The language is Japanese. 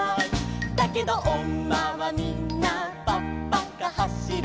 「だけどおんまはみんなぱっぱかはしる」